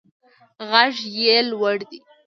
غږ یې لوړ دی.